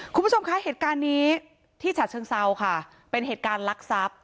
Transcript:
คุณผู้ชมคะเหตุการณ์นี้ที่ฉะเชิงเซาค่ะเป็นเหตุการณ์ลักษัพ